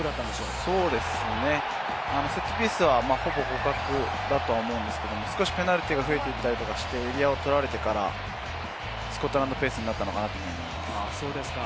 そうですね、セットピースはほぼ互角だと思うんですけれども、少しペナルティーが増えてきたりとかしてエリアを取られてからスコットランドペースになったのかなと。